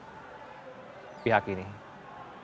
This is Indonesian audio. dan sementara disisikan oleh anies